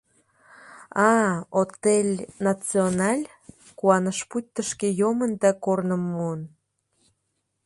— А-а, отель «Националь»? — куаныш, пуйто шке йомын да корным муын.